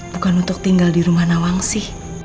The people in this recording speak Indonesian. bukan untuk tinggal di rumah nawangsi